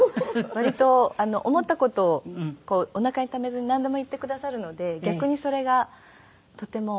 割と思った事をおなかにためずになんでも言ってくださるので逆にそれがとても。